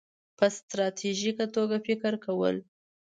-په ستراتیژیکه توګه فکر کول